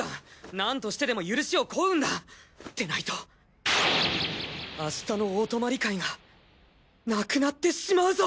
なんとしてでも許しをこうんだ！でないと明日のお泊まり会がなくなってしまうぞ！